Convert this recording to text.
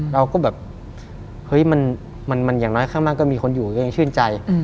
เราก็แบบเฮ้ยมันอย่างน้อยข้างมากก็มีคนอยู่ก็ยังชื่นใจ